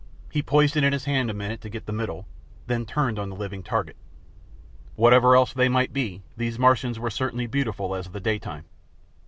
He poised it in his hand a minute to get the middle, then turned on the living target. Whatever else they might be, these Martians were certainly beautiful as the daytime.